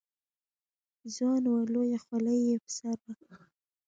ځوان و، لویه خولۍ یې پر سر وه.